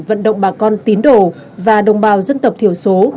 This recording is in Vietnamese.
vận động bà con tín đồ và đồng bào dân tộc thiểu số